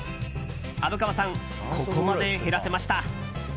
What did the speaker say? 虻川さん、ここまで減らせました。